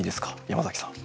山崎さん。